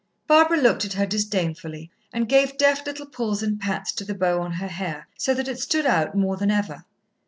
Barbara looked at her disdainfully, and gave deft little pulls and pats to the bow on her hair, so that it stood out more than ever.